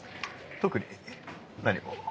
特に何も。